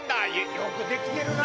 よく出来てるな。